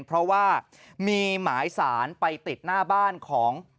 เพราะว่ามีหมายสารไปติดหน้าบ้านของ